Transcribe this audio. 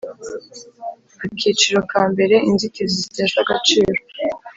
Akiciro kambere Inzitizi zitesha agaciro